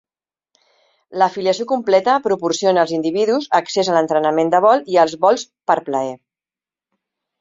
L'afiliació completa proporciona als individus accés a l'entrenament de vol i als vols per plaer.